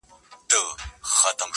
چي وايي.